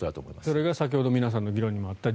それが先ほど皆さんの議論にもあった